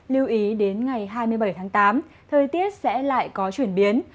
lưu ý đến ngày hai mươi bảy tháng tám thời tiết sẽ lại có chuyển biến